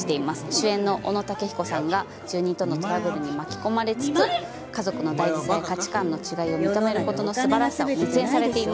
主演の小野武彦さんが住人とのトラブルに巻き込まれつつ家族の大事さや価値観の違いを認めることの素晴らしさを熱演されています。